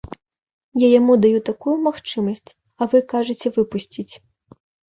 Я яму даю такую магчымасць, а вы кажаце выпусціць.